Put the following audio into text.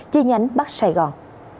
chi nhánh bắc sài gòn